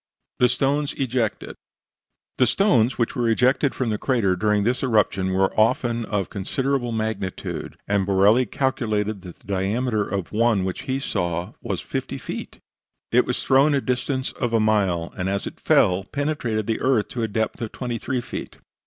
THE STONES EJECTED The stones which were ejected from the crater during this eruption were often of considerable magnitude, and Borelli calculated that the diameter of one which he saw was 50 feet; it was thrown to a distance of a mile, and as it fell it penetrated the earth to a depth of 23 feet.